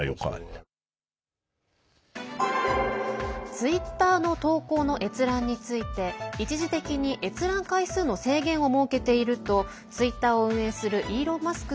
ツイッターの投稿の閲覧について一時的に閲覧回数の制限を設けているとツイッターを運営するイーロン・マスク